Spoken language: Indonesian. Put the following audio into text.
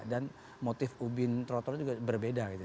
dan motif ubin trotoar juga berbeda gitu